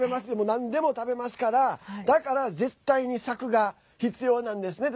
なんでも食べますからだから絶対に柵が必要なんですね。